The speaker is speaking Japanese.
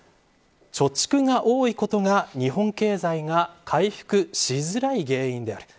貯蓄が多いことが日本経済が回復しづらい原因である。